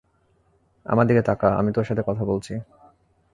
আমার দিকে তাকা, আমি তোর সাথে কথা বলছি।